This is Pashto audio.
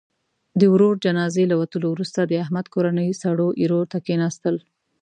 د ورور جنازې له وتلو وروسته، د احمد کورنۍ سړو ایرو ته کېناستل.